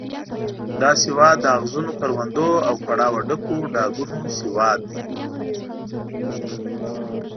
دا سواد د اغزنو کروندو او کړاوه ډکو ډاګونو سواد دی.